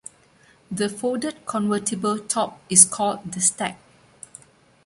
The folded convertible top is called the stack.